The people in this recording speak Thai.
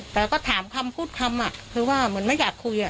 แต่ก็ถามคำพูดคำคือว่าเหมือนไม่อยากคุย